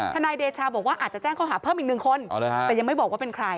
นายเดชาบอกว่าอาจจะแจ้งข้อหาเพิ่มอีกหนึ่งคนแต่ยังไม่บอกว่าเป็นใคร